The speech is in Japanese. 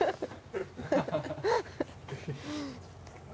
ハハハッ。